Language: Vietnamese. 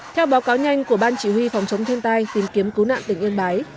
theo báo cáo nhanh của ban chỉ huy phòng chống thiên tai tìm kiếm cứu nạn tỉnh yên bái